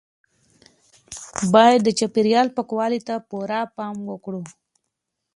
باید د چاپیریال پاکوالي ته پوره پام وکړو.